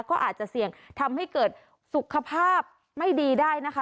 ก็อาจจะเสี่ยงทำให้เกิดสุขภาพไม่ดีได้นะคะ